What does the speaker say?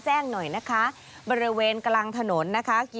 แจ้งหน่อยนะคะบริเวณกลางถนนนะคะ